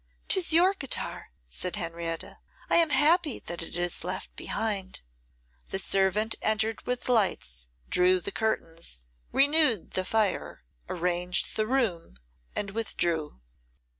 ''Tis your guitar,' said Henrietta; 'I am happy that it is left behind.' The servant entered with lights, drew the curtains, renewed the fire, arranged the room, and withdrew.